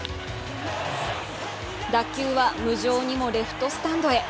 打球は無情にもレフトスタンドへ。